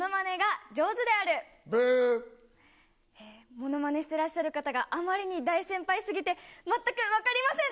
ものまねしてらっしゃる方があまりに大先輩すぎて、全く分かりません。